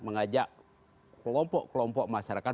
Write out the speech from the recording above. mengajak kelompok kelompok masyarakat